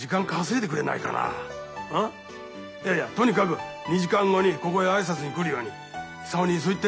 いやいやとにかく２時間後にここへ挨拶に来るように久男にそう言って。